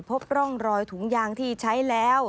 พบร่องรอยถุงยางที่ใช้แล้ว